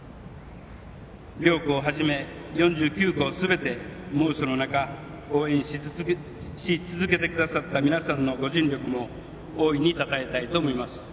両校はじめ、４９校すべて猛暑の中応援し続けてくださった皆さんのご尽力も大いに、たたえたいと思います。